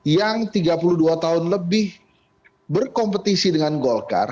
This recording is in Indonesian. yang tiga puluh dua tahun lebih berkompetisi dengan golkar